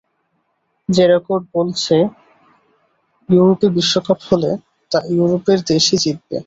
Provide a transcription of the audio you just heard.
যে রেকর্ড বলছে, ইউরোপে বিশ্বকাপ হলে তা ইউরোপের দেশই জিতবে।